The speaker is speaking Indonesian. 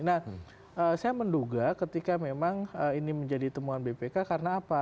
nah saya menduga ketika memang ini menjadi temuan bpk karena apa